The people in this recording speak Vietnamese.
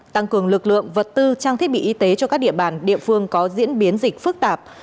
tăng cường lực lượng vật tư trang thiết bị y tế cho các địa bàn địa phương có diễn biến dịch phức tạp